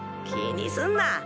気にすんな。